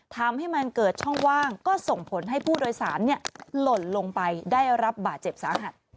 ทำให้มันเกิดช่องว่างก็ส่งผลให้ผู้โดยสารหล่นลงไปได้รับบาดเจ็บสาหัส